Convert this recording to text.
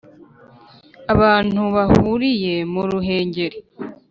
Abahutu bahuriye mu Ruhengeri